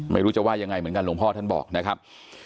ไม่รู้จะว่ายังไงเหมือนกันหลวงพ่อท่านบอกนะครับ